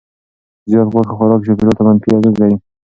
زیات غوښه خوراک چاپیریال ته منفي اغېز لري.